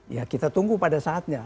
ya kita tunggu pada saatnya